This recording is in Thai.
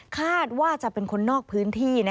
คาดว่าจะเป็นคนนอกพื้นที่